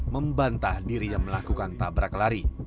membantah diri yang melakukan tabrak lari